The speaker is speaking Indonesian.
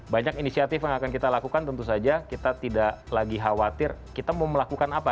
banyak inisiatif yang akan kita lakukan tentu saja kita tidak lagi khawatir kita mau melakukan apa